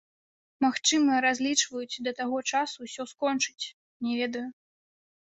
Магчыма, разлічваюць да таго часу ўсё скончыць, не ведаю.